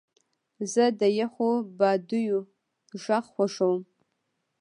زه د یخو بادیو غږ خوښوم.